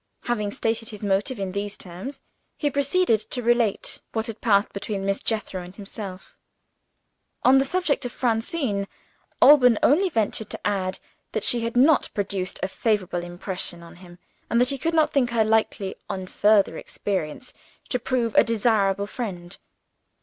Having stated his motive in these terms, he proceeded to relate what had passed between Miss Jethro and himself. On the subject of Francine, Alban only ventured to add that she had not produced a favorable impression on him, and that he could not think her likely, on further experience, to prove a desirable friend.